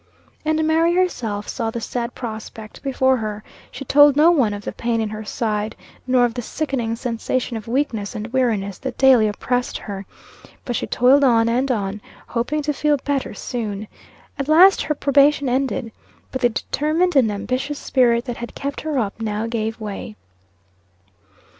And Mary herself saw the sad prospect before her. She told no one of the pain in her side, nor of the sickening sensation of weakness and weariness that daily oppressed her. But she toiled on and on, hoping to feel better soon. At last her probation ended. But the determined and ambitious spirit that had kept her up, now gave way.